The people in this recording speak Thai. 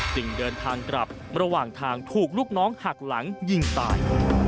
เดินทางกลับระหว่างทางถูกลูกน้องหักหลังยิงตาย